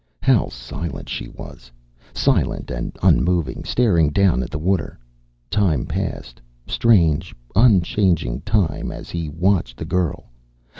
How silent she was! Silent and unmoving, staring down at the water. Time passed, strange, unchanging time, as he watched the girl.